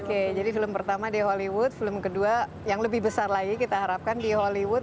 oke jadi film pertama di hollywood film kedua yang lebih besar lagi kita harapkan di hollywood